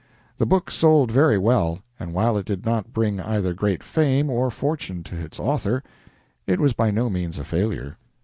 The book sold very well, and, while it did not bring either great fame or fortune to its author, it was by no means a failure.